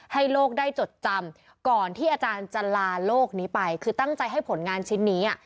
ให้โลกได้จดจำก่อนที่อาจารย์จะลาโลกนี้ไปคือตั้งใจให้ผลงานชิ้นนี้